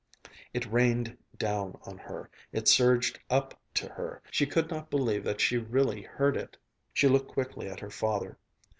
It rained down on her, it surged up to her, she could not believe that she really heard it. She looked quickly at her father.